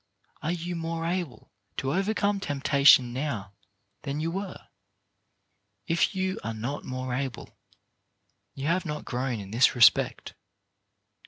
Are you more able to overcome temptation now than you were? If you are not more able, you have not grown in this respect.